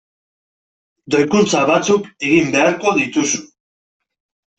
Doikuntza batzuk egin beharko dituzu.